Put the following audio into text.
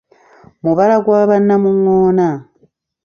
Mubala gwa ba Namungoona.